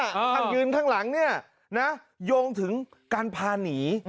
ถ้ายืนข้างหลังเนี่ยนะโยงถึงการพาหนี